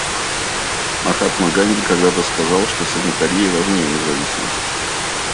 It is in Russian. Махатма Ганди когда-то сказал, что «санитария важнее независимости».